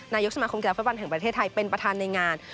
นายกสมาคมกีฬาฟุตบอลแห่งประเทศไทยเป็นประธานในงาน